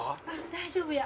大丈夫や。